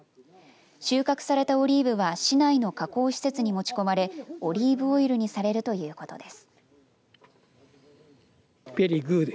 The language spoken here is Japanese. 収穫されたオリーブは市内の加工施設に持ち込まれオリーブオイルにされるということです。